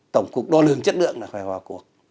tổng cục đo lường chất lượng là phải vào cuộc